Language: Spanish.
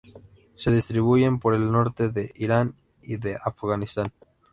Se distribuyen por el norte de Irán y de Afganistán.